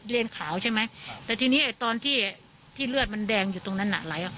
ขาวใช่ไหมแต่ทีนี้ไอ้ตอนที่ที่เลือดมันแดงอยู่ตรงนั้นน่ะไหลออก